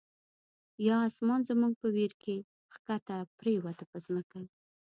یا آسمان زموږ په ویر کی، ښکته پر یووته په ځمکه